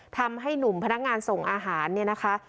ทำให้หนุ่มพนักงานส่งอาหารเนี่ยนะคะ